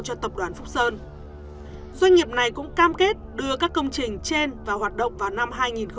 cho tập đoàn phúc sơn doanh nghiệp này cũng cam kết đưa các công trình trên vào hoạt động vào năm hai nghìn hai mươi